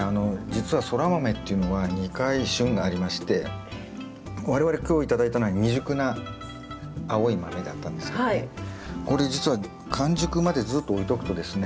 実はソラマメっていうのは２回旬がありまして我々今日頂いたのは未熟な青い豆だったんですけどねこれ実は完熟までずっと置いとくとですね。